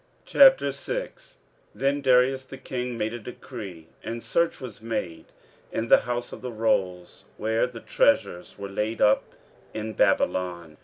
15:006:001 Then Darius the king made a decree, and search was made in the house of the rolls, where the treasures were laid up in Babylon.